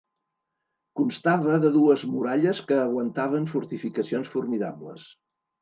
Constava de dues muralles que aguantaven fortificacions formidables.